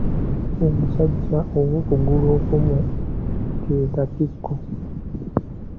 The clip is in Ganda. Omusajja ow’okugulu okumu ke katiko.